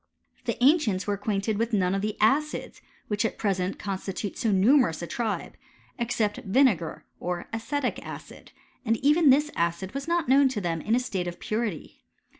The ancients were acquainted with none of the acidt which at present constitute so numerous a tribe, ex cept vinegar, or acetic acid ; and even this acid was not known to them in a state of purity.